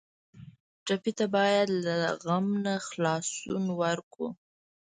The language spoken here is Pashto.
ټپي ته باید له غم نه خلاصون ورکړو.